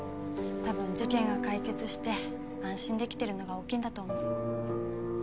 たぶん事件が解決して安心出来てるのが大きいんだと思う。